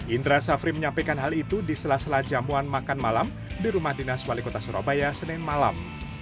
indra safri menyampaikan hal itu di sela sela jamuan makan malam di rumah dinas wali kota surabaya senin malam